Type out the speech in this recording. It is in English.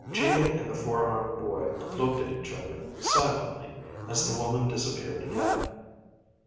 Geo and the four armed boy looked at each other, silently, as the woman disappeared again.